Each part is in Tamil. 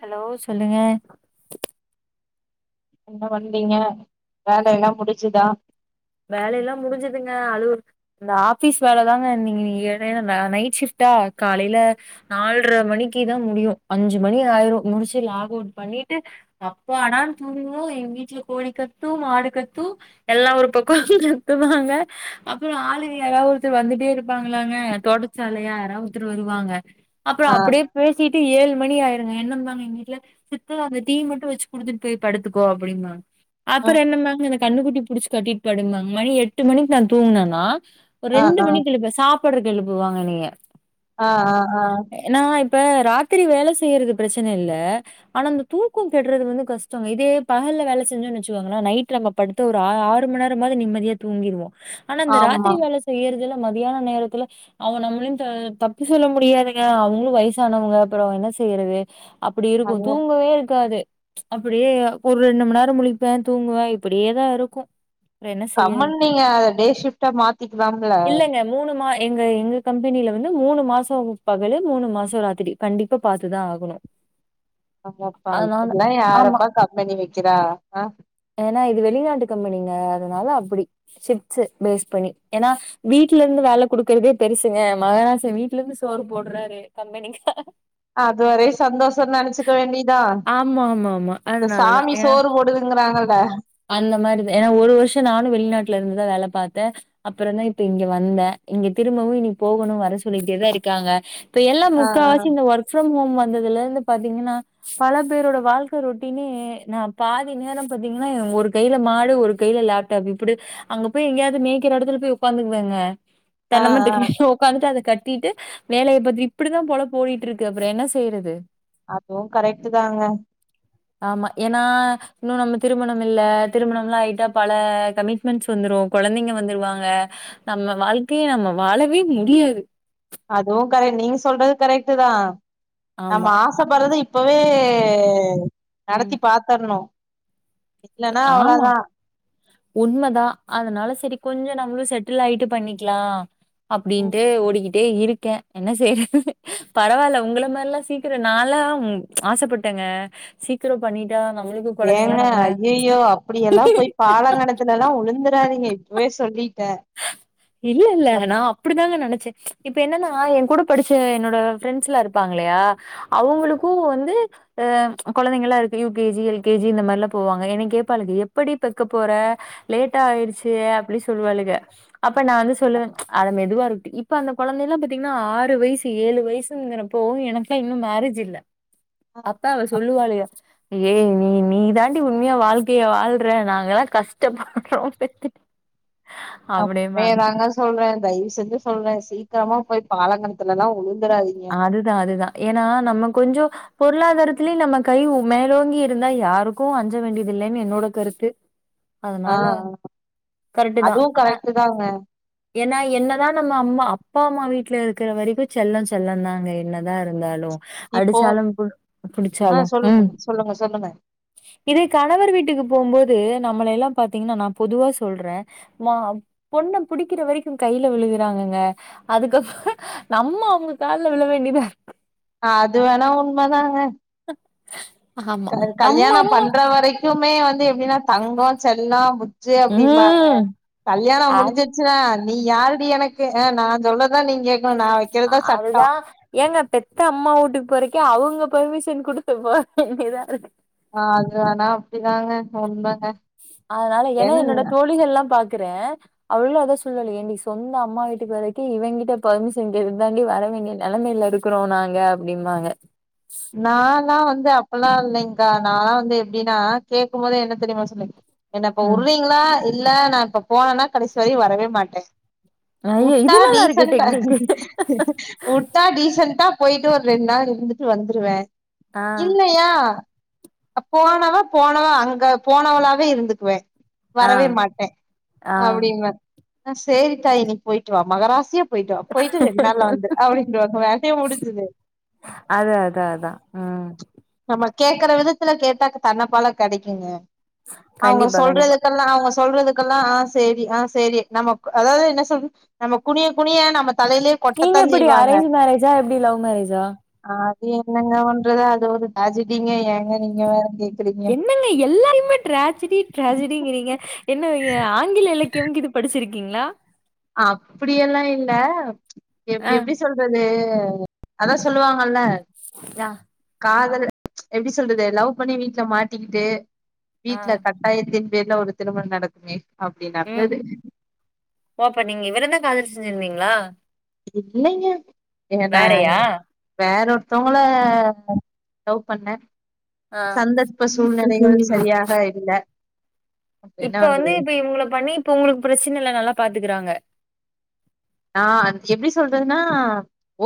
ஹலோ சொல்லுங்க என்ன பண்றிங்க வேல எல்லா முடிச்சுதா வேலயெல்லா முடிஞ்சுதுங்க அது வர்க் இந்த ஆஃபிஸ் வேல தாங்க இன்னிக்கி இன்னிக்கி எடைல ந நைட் ஷிஃப்ட்டா காலையில நால்ர மணிக்கு தா முடியு அஞ்சு மணி ஆயிரு முடிச்சு லாக் அவுட் பண்ணிட்டு அப்பாடானு தூங்குவோ எங் வீட்ல கோழி கத்து மாடு கத்து எல்லா ஒரு பக் கோ கத்துவாங்க அப்புறோ ஆளுங்க யாராது ஒருத்தர் வந்துட்டே இருப்பாங்களாங்க தொடு சலையா யாரா ஒருத்தர் வருவாங்க அப்புறோ ஆ அப்டியே பேசிட்டு ஏழு மணி ஆயிருங்க என்ன இருந்தாலு எங்க வீட்டுல சித்து அந்த டீ மட்டு வெச்சு குடுத்துட்டு போய் படுத்துக்கோ அப்டின்பா ஆ அப்புறோ என்னமாங்க இந்த கண்ணுக்குட்டி புடிச்சு கட்டிட்டு படுபாங்க மணி எட்டு மணிக்கு நா தூங்குனேனா ஒரு ஆ ரெண்டு ஆ மணிக்கு எழுப்ப சாப்புட்றக்கு எழுப்புவாங்க என்னைய ஆ ஆ ஆ நா இப்ப ராத்திரி வேல செய்யறது பிரச்சன இல்ல ஆனா அந்த தூக்கொ கெட்றது வந்து கஷ்டங்க இதே பகல்ல வேல செஞ்சோன்னு வெச்சுக்கோங்களே நைட்டு நம்ம படுத்து ஒரு ஆ ஆறு மண்நே ர மாது நிம்மதியா தூங்கிறுவோ ஆனா இந்த ஆமா ராத்திரி வேல செய்யறதுல மதியான நேரத்துல அவங்க நம்மளையு த தப்பு சொல்ல முடியாதுங்க அவுங்களு வயசானவங்க அப்புறோ என்ன செய்யறது அப்டி இருக்கு அதுவு தூங்கவே இருக்காது அப்டியே ஒரு ரெண்டு மணி நேர முழிப்பே தூங்குவே இப்டியேதா இருக்கு கம்முன் நீங்க அத டே ஷிஃப்ட்டா மாத்திக்குலாம்ல மூணு மா எங்க எங்க கம்பனியில வந்து மூணு மாசோ பகல் மூணு மாசோ ராத்திரி கண்டிப்பா பாத்துதா ஆகணு [inaudible] ஆமாப்பா இப்பில்லா யாரப்பா கம்பெனி வெக்கிறா ஆ ஏனா இது வெளிநாட்டு கம்பெனிங்க அதனால அப்டி ஷிப்ட்ஸு பேஸ் பண்ணி ஏனா வீட்லந்து வேல குடுக்கற்தே பெருசுங்க மகராசே வீட்லெந்து சோறு போட்றாரு எ கம்பெனிங்க அதுவரயு சந்தோஷன் நெனச்சுக்க வேண்டிதா ஆமா ஆமா ஆமா இந்த அதனாலதான் சாமி ஏன்னா சோறு போடுதுங்கறாங்கள அந்த மாரி தே ஏனா ஒரு வர்ஷோ நானு வெளிநாட்ல இருந்துதா வேல பாத்தே அப்றோந்தா இப்ப இங்க வந்தே இங்க திரும்பவு இனி போகனு வர சொல்லிட்டே தா இருக்காங்க இப்ப எல்லா ஆ முக்கா ஆ வாசி இந்த ஒர்க் ஃப்ரம் ஹோம் வந்ததுலெந்து பாத்தீங்கன்னா பல பேரோட வாழ்க்க ரொட்டீனே நா பாதி நேரோ பாத்தீங்கன்னா ஒரு கைல மா டு ஒரு கைல லேப்டாப் இப்டி அங்க போய் எங்கயாது மேய்க்ற எடத்துல போய் உக்காந்துக்குவேங்க ஆ தென்ன மரத்துக் ஆ கீழ ஒக்காந்துட்டு அது கட் டிட்டு வேலய பாத்து இப்டிதா பொழப்பு ஒடிட்ருக்கு அப்றோ என்ன செய்றது அதுவு கரெக்ட்டு தாங்க ஆமா ஏனா இன்னு நம்ம திருமணம் இல்ல திருமணம் லா ஆய்ட்டா பல கமிட்மென்ட்ஸ் வந்துரு கொழந்தைங்க வந்துருவாங்க நம்ம வாழ்க்கைய நம்ம வாழவே முடியாது அதுவு கரெக்ட் நீங்க சொல்றது கரெக்ட்டு தா நம்ம ஆமா. ஆ ச ப்பட்றதே இப்பவே ம். நடத்தி பாத்தர்னு ஆமா உண்மதா அதனால செரி கொஞ்சோ நம்ளு செட்டில்லாய்ட்டு பண்ணிக்லா ம் அப்டின்ட்டு ஓடிக்கி ட்டே இருக்கே என்ன செய்றது பரவால்ல உங்ள மார்லா சீக்கிரோ நா லா ஆசப்பட்டேங்க சீக்கிரோ பண்ணிட்டா நம்ளுக்கு கொழந்தைங்களா நம்ம ஐயோ அப்டி எல்லா போய் பாலங்கெணத்துலல்லா வுழுந்துறாதீங்க இப்பவே சொல்லிட்டே [inaudible] இல்லலெல்ல நா அப்டிதாங்க நெனச்சே இப்ப என்னன்னா என்க்கூட படிச்ச என்னோட ஃப்ரெண்ட்ஸ்ல்லா இருப்பாங்கல்லயா அவுங்களுக்கு வந்து ஆ கொழந்தைங்களாருக்கு U K G L K G இந்த மார்லா போவாங்க என்ன கேப்பாளுக எப்படி பெக்க போற லேட்டாயிருச்சு அப்டி சொல்லுவாளுக அப்ப நா வந்து சொல்லுவே அட மெதுவாருட்டி இப்ப அந்த கொழந்தைலா பாத்தீங்கன்னா ஆறு வய்சு ஏழு வய்சுங்றப்போ எனக்லா இன்னு மேரேஜ் இல்ல அப்ப அவ சொல்லுவாளுக ஏ நீ நீதா டி உண்மயா வாழ்க்கைய வாழ்ற நாங்கல்லா கஷ்டப்பட்றோ பெத்துட்டு நா உண்மய அப்படிம்பாங்க. தாங்க சொல்றே தய்வு செஞ்சு சொல்றே சீக்கிரமா போய் பாலங்கெணத்துலலா வுழுந்துறாதி அதுதா அதுதா ஏனா நம்ம கொஞ்சொ பொருளாதாரத்திலு நம்ம கை மேலோங்கி இருந்தா யாருக்கு அஞ்ச வேண்டிதில்லன் என்னோட கருத்து ஆ அதுனால கரெக்ட்டு தா அதுவு அ கரெக்ட்டு தாங்க ஏனா என்னதா நம்ம அம்மா அப்பாம்மா வீட்லருக்ற வரைக்கு செல்லோ செல்லோந்தாங்க என்னதா இருந்தாலு இப்போ அடிச்சாலும் பு ஆ புடிச்சாலு சொல்லுங்க ம் சொல்லுங்க சொல்லுங்க இதே கணவர் வீட்டுக்கு போம்போது நம்ளெல்லா பாத்தீங்கன்னா நா பொதுவா சொல்றே மா பொண்ண புடிக்கிற வரைக்கு கைல விழுகுறாங்கங்க அதுக்கப்றோ நம்ம அவுங்க கால்ல விழ வேண்டிதா அது வேணா உண்ம தாங்க ஆமா. க நம்ம கல்யாணம் அம்மா பண்ற வரைக் க்குமே வந்து எப்டினா தங்கோ செல்லோ புஜ்ஜு அப்டிம்பாங்க ம். கல்யாணம் அ முடிஞ்சிச் சினா நீ யாருடி எனக்கு அ நா சொல்லதா நீங் கேக்கணு நா வெக் அ அதுதா ஏங்க பெத்த அம்மா வூட்டுக் போறக்கே அவுங்க பெர்மிஷன் குடுத்து போ வேண்டியதா இருக்கு ஆ அது ஆனா அப்டிதாங்க உண்மங்க அதனால எனா என் என்னோட தோழிகள்லாம் பாக்கறே அவளுகுளு அதா சொல்லாளு ஏன்டி சொந்த அம்மா வீட்டுக்கு வரைக்கே இவைங்கிட்ட பெர்மிஷன் கேக்கத் தாண்டி வர வேண்டிய நெலமைல இருக் க்றோ நாங்க அப்டிம்பாங்க நாலா வந்து அப்பல்லா இல்லைங்க்கா நாலா வந்து எப்டினா கேக்கும்போதே என்னத் தெரியுமா சொல்லி என்ன இப்ப ம் உர்றீங்ளா இல்ல நா இப்ப போனனா கடைசி வரையு வரவே மாட்டே ஐய உட்டா இது நல்லா இருக்கே டீசன்ட்ட டெக்னிக்கு உட்டா டீசண்ட்டா போயிட்டு ஒரு ரெண் நாள் இருந்துட்டு வந்துருவே ஆ இல்லயா அப் போனவேப் போனவே அங்க போனவளாவே இருந்துக்வே ஆ வரவே மாட்டே ஆ அப்டிம்பே ஆ சேரித்தாயி நீ போயிட்டுவா மகராசியாப் போயிட்டுவா போயிட்டு ரெண் நாள்ல வந்துரு அப்டின்டுவாங்க வேலையே முடிஞ்சிது அது அது அதா ம் நம்ம கேக்கற விதத்துல கேட்டா தன்னப் போல கெடைக்குங்க அவுங்க கண்டிப்பா கண்டிப்பா சொல்றதுக்கெல்லா அவுங்க சொல்றதுக் கெல்லா ஆ சேரி ஆ சேரி நமக் அதாவ்து என்ன சொல்ற நம்மக் குனியக் குனிய நம்மத் நீங்க எப்டி அரேஞ்ச் மேரேஜா எப்டி லவ் மேரேஜா அது என்னங்க ஒன்றது அது ஒரு தேஜடீங்க ஏங்க நீங்க வேற கேக் என்னங்க எல்லாரையுமேட் டிராஜெடி டிராஜெடிங்கிறீங்க என்ன நீங்க ஆங்கில இலக்கியம்கிது படிச்சிருக்கீங்ளா அப்டியெல்லா இல்ல ஆ எப்டி எப்டிச் சொல்றது அதா சொல்லுவாங்கல்ல ரா காதல எப்டி சொல்றது லவ் பண்ணி வீட்ல மாட்டிகிட்டு ஆ வீட்ல கட் ட்டாயத்தின் பேர்ல ஒரு திருமண் நடக்குமே அப்டி ம். நடந்தது ஓ அப்ப நீங்க இவரந்தா காதல் செஞ்சிருந்தீங்ளா இல்லைங்க எ நா வேறயா? வேற ஒருத்தவுங்கள லவ் பண்ணே ஆ. சந்தர்ப்ப சூழ்நிலைகள் சரியாக இல்ல என்ன இப்ப பண்றது வந்து இப்ப இவுங்கள பண்ணி இப்ப உங்ளுக்கு பிரச்சன இல்ல நல்லா பாத்துகறாங்க ஆ அது எப்டி சொல்றதுனா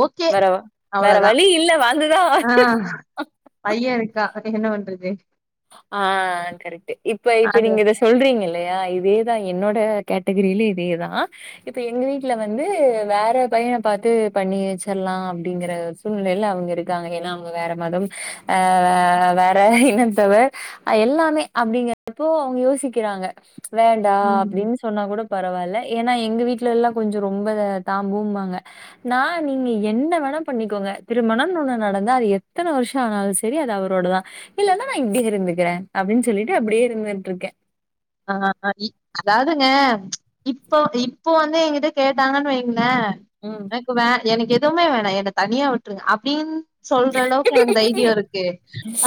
ஓகே வேற வ வேற அவ்ளதா வழி இல்ல வந்துதான் அ பைய இருக்கா என்ன வண்றது ஆ கரெக்ட்டு இப்ப இப்ப அது நீங்க இதச் சொல்றீங்கில்லயா இதேதா என்னோட கேட்டகரில இதேதா இப்ப எங்க வீட்ல வந்து வேற பையன பாத்து பண்ணி வச்சர்லா அப்டிங்கிற சூழ்நிலைல அவுங்க இருக்காங்க எனா அவுங்க வேற மதம் அ அ வேற இனம் த்தவ அ எல்லாமே அப்டிங்கறப்போ அவுங்க யோசிக்கிறாங்க வேண்டா ம் அப்டின்ச் சொன்னா கூட பரவால்ல எனா எங்க வீட்ல எல்லா கொஞ்சோ ரொம்ப தாம்பூம்பாங்க நா நீங்க என்ன வேணா பண்ணிக்கோங்க திருமணம்னு ஒன்னு நடந்தா அது எத்தன வருஷோ ஆனாலு செரி அது அவரோடதா இல்லனா நா இப்டி இருந்துகிறே அப்டின் சொல்லிட்டு அப்டியே இருந்துட்ருக்கே ஆ ஆ இ அதாதுங்க இப்போ இப்போ வந்து ஏங்கிட்ட கேட்டாங்கனு வைங்களே ம் க்குவ எனக்கு எதுவுமே வேணா என்ன தனியா விட்டுருங்க அப்டின் சொல்ற அளவுக்கு எனக்கு தைரியோ இருக் கு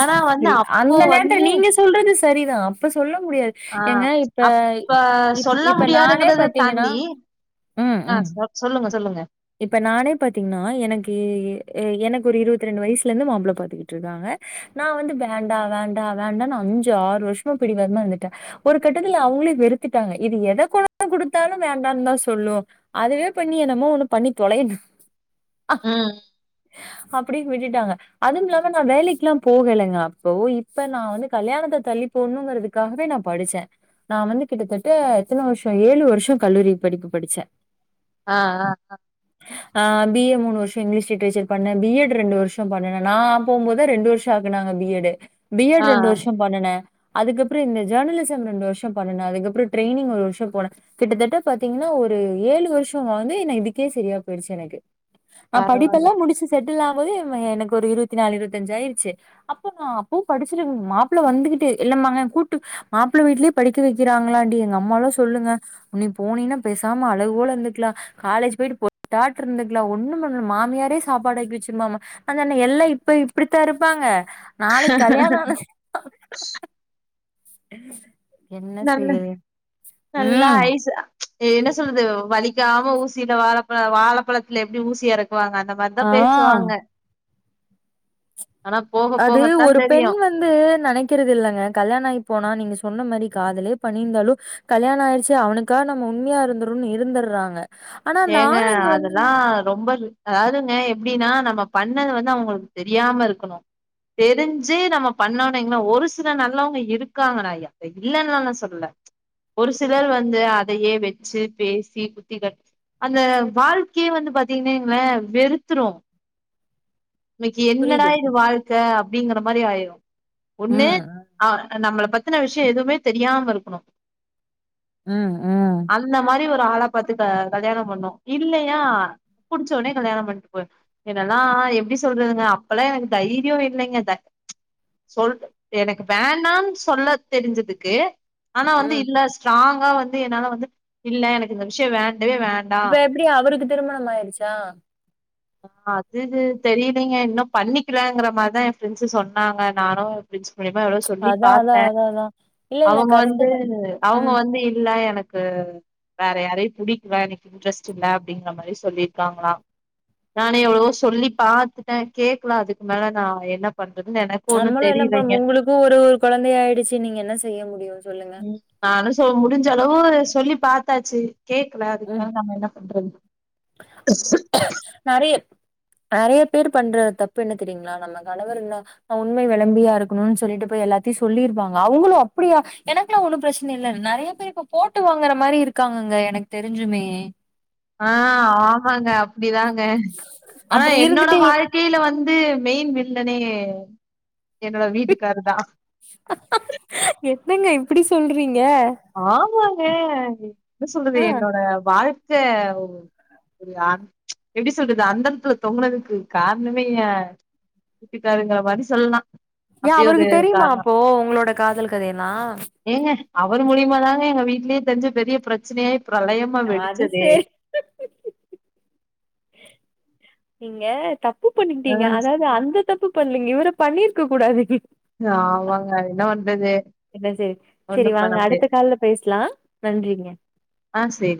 ஆனா வந்து சரி அப்போ அந்த நேரத்துல வந்து நீங்க சொல்றது சரிதா அப்ப சொல்ல முடியா ஆ அப்ப சொல்ல இப்ப நானே முடியாதுங்கறத பாத்தீங்கன்னா தாண்டி ஆ சொல் சொல்லுங்க சொல்லுங்க இப்போ நானே பாத்தீங்கன்னா எனக்கு அ எனக்கு ஒரு இருவத்து ரெண்டு வயசுல இருந்து மாப்ள பாத்துக்கிட்ருக்காங்க நா வந்து வேண்டா வேண்டா வேண்டானு அஞ்சு ஆறு வருஷோ பிடிவாதமா இருந்துட்டே ஒரு கட்டத்துல அவங்களே வெறுத்துட்டாங்க இது எத கொண்டாந்து குடுத்தாலு வேண்டாம்னு தா சொல்லு அதுவே பண்ணி எனமோ ஒண்ணு பண்ணி தொலையடு ஆ ம் அப்டின் விட்டுட்டாங்க அதுவுமில்லாம நா வேலைக்கெல்லா போகலங்க அப்போ இப்ப நா வந்து கல்யாணத்த தள்ளிப் பொண்ணுங்கிறதுக்காகவே நா படிச்சே நா வந்து கிட்டத்தட்ட எத்தன வருஷோ ஏழு வருஷோ கல்லூரி படிப்பு படிச்சே ஆ ஆ ஆ ஆ பி ஏ மூணு வருஷோ இங்கிலீஷ் லிட்ரேச்சர் பண்ணே பி எட் ரெண்டு வருஷோ பண்ணுணே நா போம்போது ரெண்டு வருஷோ ஆக்குனாங்க பி எடு பி எடு ஆ ரெண்டு வருஷோ பண்ணுணே அதுக்கப்றோ இந்த ஜர்னலிஸ்ஸம் ரெண்டு வருஷோ பண்ணுனே அதுக்கப்றோ ட்ரைனிங் ஒரு வருஷோ போனே கிட்டத்தட்ட பாத்தீங்கன்னா ஒரு ஏழு வருஷோவாது என்ன இதி கே செரியா போயிடுச்சு எனக்கு நா பரவால்ல படிப்பெல்லாம் முடிச்சு செட்டில் ஆம்போது எனக்கு ஒரு இருவத்தி நாலு இருவத்தஞ்சு ஆய்றுச்சு அப்போ நா அப்பவு படிச்சிரு மாப்பிள்ள வந்துகிட்டு இல்லமாங்க கூட்டு மாப்ள வீட்லே படிக்க வைக்றாங்களான்டி எங்க அம்மால்லா சொல்லுங்க நீ போனீனா பேசாம அழகுபோல இருந்துக்கலா காலேஜ் போயிட்டு போட் [inaudible] டாட் இருந்துக்கலா ஒண்ணு பண்ண மாமியாரே சாப்பாடு ஆக்கி வச்சுறுமாம்மா அதான எல்லா இப்ப இப்டித்தா இருப்பாங்க நாளைக் கல்யாணோ ஆனது உ [inaudible] நல்ல நல்லா ம் ஐசு என்ன சொல்றது வலிக்காம ஊசில வாழப்பழ வாழப்பழத்துல எப்டி ஊசிய இறக்குவாங்க அந்த மார்தா ஆ பேசுவாங்க ஆனா போக அது போகத்தா ஒரு பெண் தெரியு வந் து நெனக்கறது இல்லங்க கல்யாண ஆகி போனா நீங்க சொன்ன மாரி காதலே பண்ணிருந்தாலு கல்யாணோ ஆய்றுச்சு அவனுக்கா நம்ம உண்மயா இருந்துருனு இருந்துடுறாங்க ஏங்க அதெல்லா ரொம்ப ரி அதாதுங்க எப்டினா நம்ம பண்ணது வந்து அவங்களுக்கு தெரியாம இருக்கணு தெரிஞ்சு நம்ம பண்ணோனு வைங்கலே ஒரு சில நல்லவங்க இருக்காங்க நா இல்லனுலா நா சொல்லல ஒரு சிலர் வந்து அதயே வெச்சு பேசி குத்தி காட்டி அந்த வாழ்க்கயே வந்து பாத்தீங்கனேங்ளே வெறுத்துரு இன்னைக்கு என்னடா புரியுது. இது வாழ்க்க அப்டிங்கற மாரி ஆய்று ஒண்ணு ம் ஆ நம்மள பத்தின விஷயோ எதுமே தெரியாமருக்கணு ம் ம் அந்த மாரி ஒரு ஆள பாத்து க கல்யாணோ பண்ணு இல்லயா புடிச்சோனே கல்யாணம் பண்ட்டு போய்னு என்னான எப்டி சொல்றதுங்க அப்ல்லா எனக்கு தைரியோ இல்லங்க சொல்ட்டே எனக்கு வேணான்னு சொல்ல தெரிஞ்சதுக்கு ஆனா வந்து ம். இல்ல ஸ்ட்ராங்கா வந்து என்னால வந்து இல்ல எனக்கு இந்த விஷயோ வேண்டவே வேண்ட இப்ப எப்டி அவருக்கு திருமணம் ஆயிடுச்சா அது தெரியலங்க இன்னு பண்ணிக்கலங்கிற மாதிரிதா என் ஃப்ரெண்ட்ஸ் சொன்னாங்க நானு பிரண்ஸ் மூல்லிமா எவ்வளோ சொல்லி அதா அதா பாத்தே அதா அதா. இல்ல இல்ல அவுங்க கரெக்ட்டு வந்து தான். அவுங்க ம். வந்து இல்ல எனக்கு வேற யாரையு புடிக்குவேன எனக்கு இன்ட்ரெஸ்ட் இல்லை அப்டிங்கிற மாதிரி சொல்லியிருக்காங்களா நானே எவ்ளவோ சொல்லி பாத்தே கேட்கலா அதுக்கு மேல நா என்ன பண்றதுன்னு என நம்மளு என்ன ப உங்களுக்கு ஒரு குழந்தைய ஆயிடுச்சு நீங்க என்ன செய்ய முடியு சொல்லுங்க ம் நானு சொ முடிஞ்ச அளவு சொல்லி பாத்தாச்சு கேக்கல அதுக்கு ம் மேல நம்ம என்ன பண்றது நெறைய நெறைய பேரு பண்ற தப்பு என்ன தெரியுங்களா நம்ம கணவர் என்ன உண்மை விளம்பியா இருக்கணு சொல்லிட்டு போய் எல்லாத்தையு சொல்லியிருவாங்க அவங்களு அப்டியா எனக்கேல்லா ஒண்ணு பிரச்சனை இல்லை நெறைய பேரு இப்ப போட்டு வாங்கற மாதிரி இருக்காங்கங்க எனக்கு தெரிஞ்சுமே ஆ ஆமாங்க அப்டிதாங்க ஆனா அப்புறம் என்னோட இருந்துட்டு வாழ்க் கையில வந்து மெயின் வில்லனே என்னோட வீட்டுக்காருதா என்னங்க இப்டி சொல்றீங்க ஆமாங்க என்ன ஆ சொல்றது என்னோட வாழ்க்க யா எப்டி சொல்றது அந்தரத்துல தொங்குனதுக்கு காரணமே எ என் வீட்டுக்காருங்க மாரி சொல்லலா ஏ அப்டி ஒரு அவருக்கு தெரியுமா காரணோ அப்போ உங்களோட காதல் கதைலா ஏங்க அவர் மூலியமாதாங்க எங்க வீட்லயே தெரிஞ்சு பெரிய பிரச்சனையா பிரளயமா அது வெடிச்சதே சரி நீங்க தப்பு பண்ணிட்டீங்க அதாவது அந்த தப்பு பண்லீங்க இவரு பண்ணியிருக்க கூடாது ஆமாங்க என்ன பண்றது என்ன செய் செரி ஒண்ணும் பண்ண வாங்க அடுத்த முடியாது கால்ல பேசலா நன்றிங்க ஆ செரி